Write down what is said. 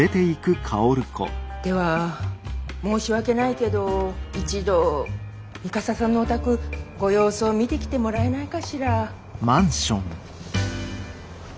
では申し訳ないけど一度三笠さんのお宅ご様子を見てきてもらえないかしら。